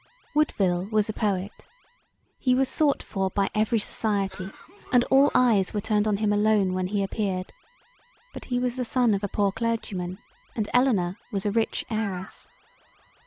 Woodville was a Poet he was sought for by every society and all eyes were turned on him alone when he appeared; but he was the son of a poor clergyman and Elinor was a rich heiress.